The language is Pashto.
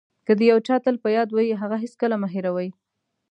که د یو چا تل په یاد وئ هغه هېڅکله مه هیروئ.